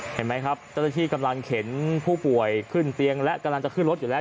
เห็นไหมครับเจ้าหน้าที่กำลังเข็นผู้ป่วยขึ้นเตียงและกำลังจะขึ้นรถอยู่แล้ว